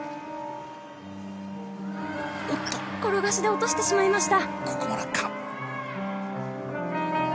おっと、転がしで落としてしまいました。